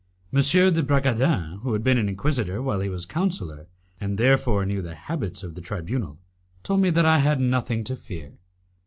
M. de Bragadin, who had been Inquisitor while he was Councillor, and therefore knew the habits of the tribunal, told me that I had nothing to fear.